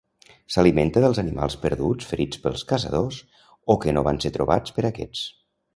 S'alimenta dels animals perduts ferits pels caçadors o que no van ser trobats per aquests.